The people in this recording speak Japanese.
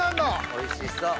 おいしそう。